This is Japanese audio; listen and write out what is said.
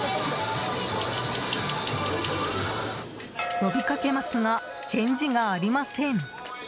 呼びかけますが返事がありません。